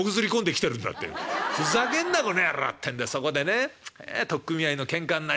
『ふざけんなこの野郎』ってんでそこでね取っ組み合いのけんかになりそうだ。